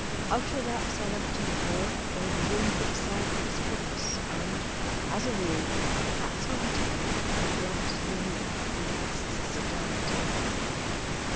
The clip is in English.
Outer wraps are left in the hall or in a room put aside for this purpose, and, as a rule, hats are retained and gloves removed when the guests sit down at table.